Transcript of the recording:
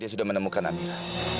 dia sudah menemukan amira